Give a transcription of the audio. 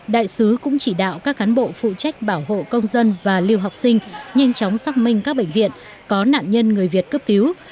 đại sứ cũng chỉ đạo các cán bộ phụ trách bảo hộ công dân và lưu học sinh nhanh chóng xác minh các bệnh viện có nạn nhân người việt cấp cứu